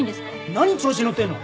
何調子乗ってんの？